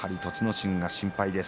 心が心配です。